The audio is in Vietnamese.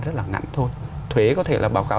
rất là ngắn thôi thuế có thể là báo cáo